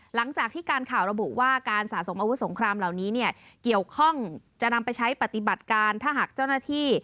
หลังจากที่การข่าวระบุว่าการสะสมอาวุธสงครามเหล่านี้เนี่ยเกี่ยวข้องจะนำไปใช้ปฏิบัติการถ้าหากเจ้าหน้าที่